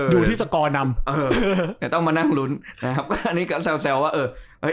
อยู่ที่สกอร์นำต้องมานั่งรุ้นนะครับก็อันนี้แซวว่าเออ